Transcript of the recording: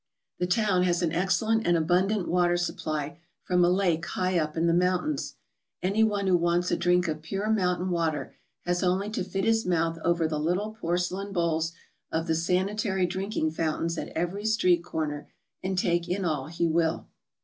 The town has an excellent and abundant water supply from a lake high up in the mountains. Any one who wants a drink of pure mountain water has only to fit his mouth over the little porcelain bowls of the sanitary drinking fountains at every street corner and take in all he will.